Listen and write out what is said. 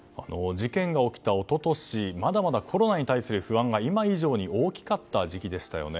事件が起きた一昨年はまだまだコロナに対する不安が今以上に大きかった時期でしたよね。